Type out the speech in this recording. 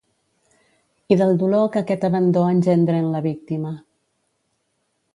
I del dolor que aquest abandó engendre en la víctima.